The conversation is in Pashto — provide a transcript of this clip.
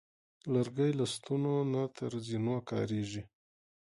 لرګی له ستنو نه تر زینو کارېږي.